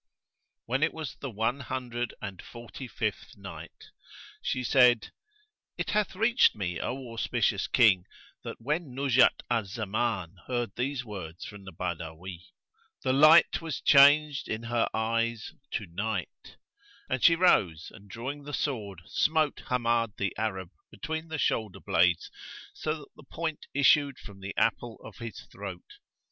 When it was the One Hundred and Forty fifth Night, She said, It hath reached me, O auspicious King, that when Nuzhat al Zaman heard these words from the Badawi, the light was changed in her eyes to night, and she rose and drawing the sword, smote Hammad the Arab between the shoulder blades so that the point issued from the apple of his throat.